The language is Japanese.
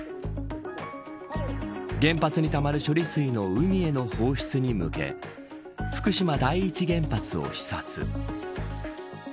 原発にたまる処理水の海への放出に向け福島第一原発を視察。